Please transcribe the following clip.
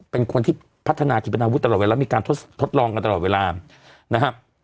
เป็นคนที่พัฒนากิจเป็นอาวุธตลอดเวลามีการทดทดลองกันตลอดเวลานะครับ